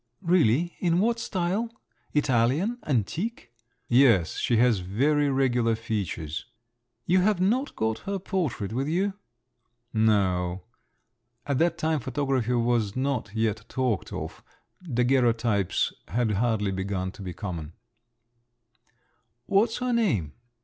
"Really? In what style? Italian? antique?" "Yes; she has very regular features." "You have not got her portrait with you?" "No." (At that time photography was not yet talked off. Daguerrotypes had hardly begun to be common.) "What's her name?"